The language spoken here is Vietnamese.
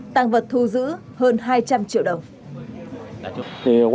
tăng vật thu giữ hơn hai trăm linh triệu đồng